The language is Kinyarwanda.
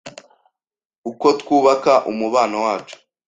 uko twubaka umubano wacu